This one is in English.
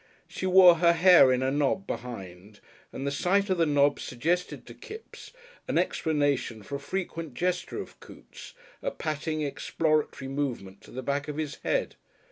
She wore her hair in a knob behind, and the sight of the knob suggested to Kipps an explanation for a frequent gesture of Coote's, a patting exploratory movement to the back of his head.